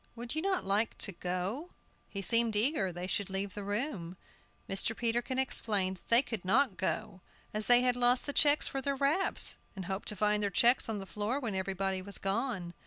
"Would you not like to go?" He seemed eager they should leave the room. Mr. Peterkin explained that they could not go, as they had lost the checks for their wraps, and hoped to find their checks on the floor when everybody was gone.